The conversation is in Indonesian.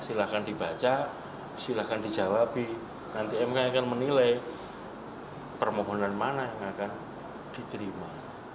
silahkan dibaca silahkan dijawab nanti mk yang akan menilai permohonan mana yang akan diterima